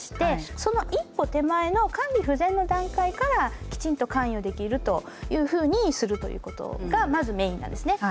その一歩手前の管理不全の段階からきちんと関与できるというふうにするということがまずメインなんですね。